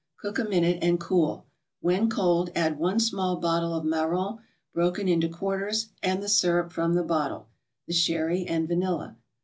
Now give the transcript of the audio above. Cook a minute, and cool. When cold, add one small bottle of marrons broken into quarters and the syrup from the bottle, the sherry and vanilla.